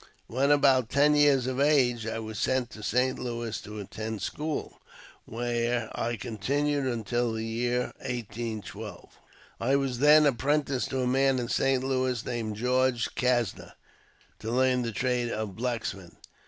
When about ten years of age I was sent to St. Louis to attend school, where I continued until the year 1812. I was then apprenticed to a man in St. Louis named George Casner, to learn the trade of blacksmith.